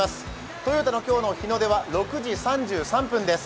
豊田の今日の日の出は６時３３分です。